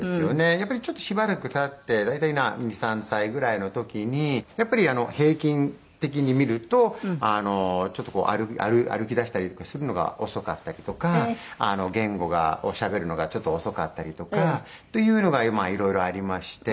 やっぱりちょっとしばらく経って大体２３歳ぐらいの時にやっぱり平均的に見るとちょっとこう歩きだしたりとかするのが遅かったりとか言語をしゃべるのがちょっと遅かったりとかというのがまあいろいろありまして。